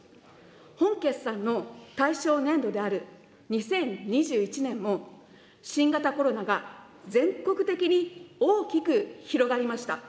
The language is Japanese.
本決算の対象年度である２０２１年も、新型コロナが全国的に大きく広がりました。